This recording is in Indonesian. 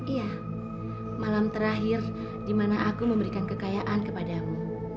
iya malam terakhir di mana aku memberikan kekayaan kepadamu